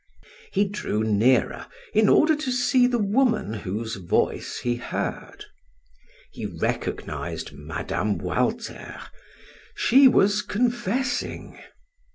He drew nearer in order to see the woman whose voice he heard. He recognized Mme. Walter; she was confessing.